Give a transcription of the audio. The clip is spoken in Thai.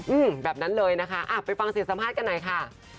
อืมแบบนั้นเลยนะคะอ่ะไปฟังเสียงสัมภาษณ์กันหน่อยค่ะ